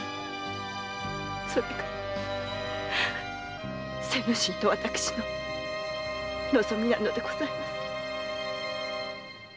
それが精之進と私の望みなのでございます。